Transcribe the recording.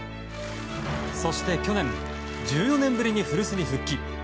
そして、去年１４年ぶりに古巣に復帰。